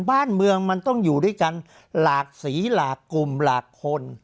บ้านเมืองมันต้องอยู่ด้วยกันหลากสีหลากกลุ่มหลากคน